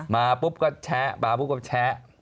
มาปุ๊บก็แชะมาปุ๊บก็แชะ